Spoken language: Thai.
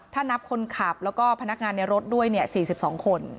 ถ้านับคนขับแล้วก็พนักงานในรถด้วย๔๒คน